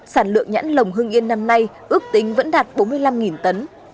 sản lượng nhãn lồng hưng yên năm nay ước tính vẫn đạt bốn mươi năm tấn